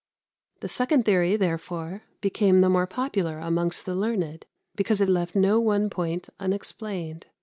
47. The second theory, therefore, became the more popular amongst the learned, because it left no one point unexplained.